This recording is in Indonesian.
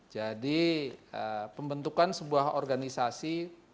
jadi pembentukan sebuah organisasi